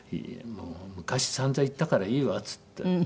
「昔散々行ったからいいわ」っつって。